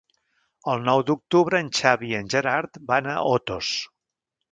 El nou d'octubre en Xavi i en Gerard van a Otos.